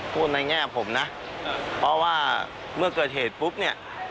พูดในแง่ผมนะเพราะว่าเมื่อเกิดเหตุปุ๊บเนี่ย